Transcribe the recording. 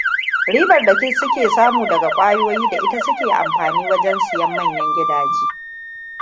Ribar da suke samu daga kwayoyi, da ita suke amfani wajen siyan manyan gidaje.